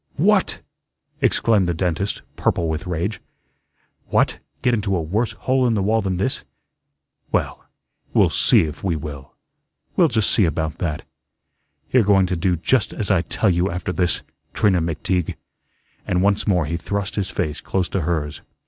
"What!" exclaimed the dentist, purple with rage. "What, get into a worse hole in the wall than this? Well, we'll SEE if we will. We'll just see about that. You're going to do just as I tell you after this, Trina McTeague," and once more he thrust his face close to hers.